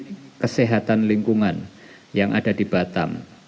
untuk kesehatan lingkungan yang ada di batam